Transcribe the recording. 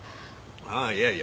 ああいやいや。